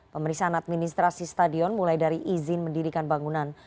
pemeriksaan administrasi stadion mulai dari izin mendirikan bangunan